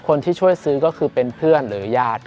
คนที่ช่วยซื้อก็คือเป็นเพื่อนหรือญาติ